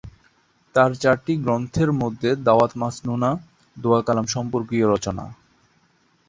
তাঁর চারটি গ্রন্থের মধ্যে দাওয়াত মাস্নূনা দোয়া-কালাম সম্পর্কীয় রচনা।